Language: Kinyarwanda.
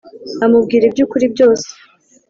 amubwira iby’ukuri byose